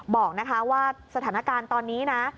บอกนะคะว่าสถานการณ์ตอนนี้นะ